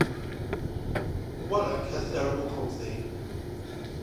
Walloch has cerebral palsy.